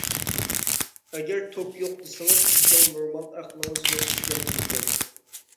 ئەگەر توك يوق دېسىڭىز، سىزنىڭ نورمال ئەقلىڭىز يوق دېگەنلىكتۇر.